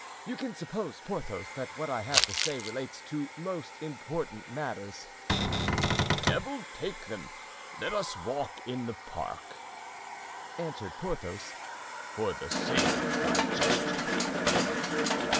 You can suppose, Porthos, that what I have to say relates to most important matters." "Devil take them; let us walk in the park," answered Porthos, "for the sake of digestion."